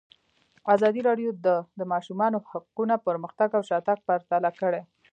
ازادي راډیو د د ماشومانو حقونه پرمختګ او شاتګ پرتله کړی.